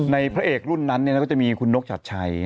พระเอกรุ่นนั้นก็จะมีคุณนกชัดชัย